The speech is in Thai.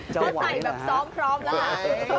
เจ้าไหวนะฮะเจ้าใส่แบบซ้อมพร้อมแล้วล่ะ